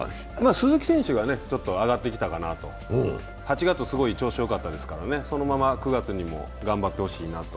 鈴木選手がちょっと上がってきたかなと８月すごい調子よかったですからね、そのまま９月も頑張ってほしいなと。